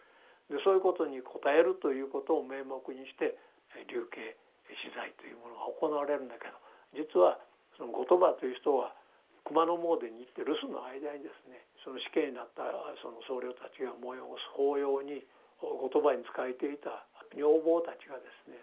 でそういうことに応えるということを名目にして流刑死罪というものは行われるんだけど実はその後鳥羽という人は熊野詣に行って留守の間にですね死刑になったその僧侶たちが催す法要に後鳥羽に仕えていた女房たちがですね